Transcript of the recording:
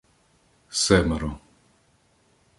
Семеро